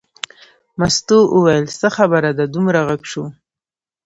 مستو وویل څه خبره ده دومره غږ شو.